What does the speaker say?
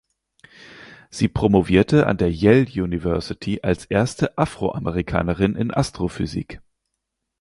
Sie promovierte an der Yale University als erste Afroamerikanerin in Astrophysik.